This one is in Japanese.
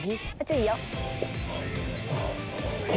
いいよ。